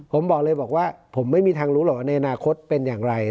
ผมบอกเลยบอกว่าผมไม่มีทางรู้หรอกว่าในอนาคตเป็นอย่างไร